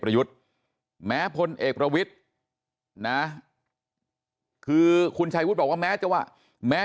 ประยุทธ์แม้พลเอกประวิทย์นะคือคุณชัยวุฒิบอกว่าแม้จะว่าแม้